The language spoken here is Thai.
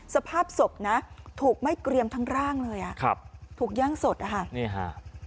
สภาพศพถูกไม่เกลียมทั้งร่างเลยถูกย่างสดนี่ฮะ